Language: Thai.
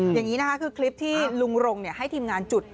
อย่างนี้นะคะคือคลิปที่ลุงรงให้ทีมงานจุด